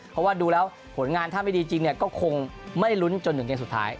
เพราะว่าดูแล้วผลงานถ้าไม่ดีจริงก็คงไม่ลุ้นจนถึงเกมสุดท้าย